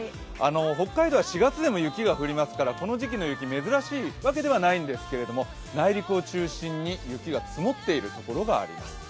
北海道は４月でも雪が降りますからこの時期の雪、珍しいわけではないんですけど内陸を中心に雪が積もっている所があります。